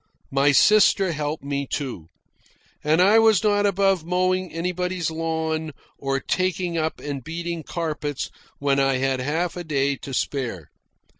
My sister helped me, too; and I was not above mowing anybody's lawn or taking up and beating carpets when I had half a day to spare.